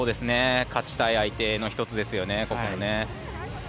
勝ちたい相手の１つですよね。